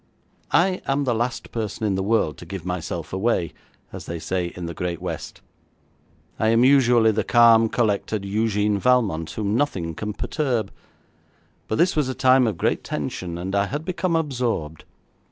I am the last person in the world to give myself away, as they say in the great West. I am usually the calm, collected Eugène Valmont whom nothing can perturb, but this was a time of great tension, and I had become absorbed.